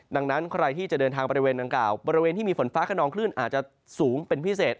ดังนั้นใครที่จะเดินทางบริเวณดังกล่าวบริเวณที่มีฝนฟ้าขนองคลื่นอาจจะสูงเป็นพิเศษ